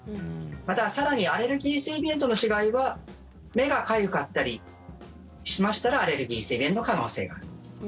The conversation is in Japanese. また更にアレルギー性鼻炎との違いは目がかゆかったりしましたらアレルギー性鼻炎の可能性がある。